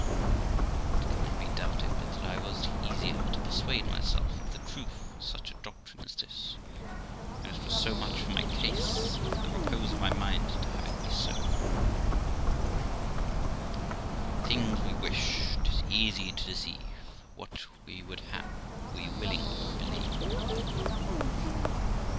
It cannot be doubted but that I was the easier to persuade myself of the truth of such a doctrine as this, when it was so much for my ease and for the repose of my mind to have it be so: In things" we wish, 'tis easy to deceive; What we would have, we willingly believe.